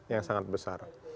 yang sangat besar